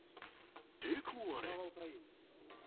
栄光あれ！